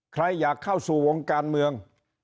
ใครอยากเข้าสู่วงการเมือง